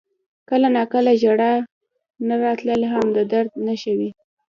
• کله ناکله ژړا نه راتلل هم د درد نښه وي.